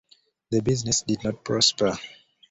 The business did not prosper.